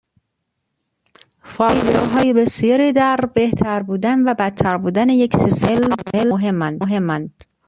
فاکتورهای بسیاری در بهتر بودن و بدتر بودن یک سیستم عامل مهمند.